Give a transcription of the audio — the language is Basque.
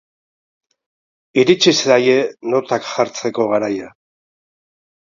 Iritsi zaie notak jartzeko garaia.